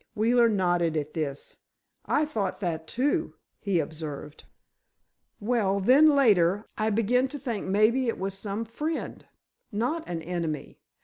Wheeler nodded at this. "I thought that, too," he observed. "Well, then later, I began to think maybe it was some friend—not an enemy.